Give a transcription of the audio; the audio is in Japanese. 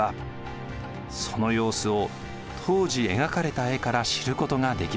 その様子を当時描かれた絵から知ることができます。